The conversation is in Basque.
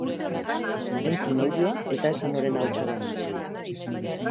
Entzun audioa eta esan noren ahotsa den!